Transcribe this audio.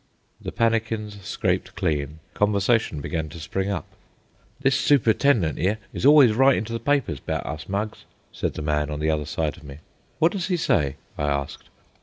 The pannikins scraped clean, conversation began to spring up. "This super'tendent 'ere is always writin' to the papers 'bout us mugs," said the man on the other side of me. "What does he say?" I asked.